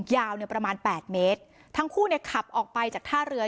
ยาวเนี่ยประมาณแปดเมตรทั้งคู่เนี่ยขับออกไปจากท่าเรือ